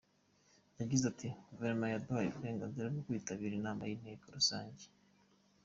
Yagize ati “Guverinoma yaduhaye uburenganzira bwo kwitabira inama y’inteko rusange.